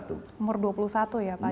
umur dua puluh satu ya pak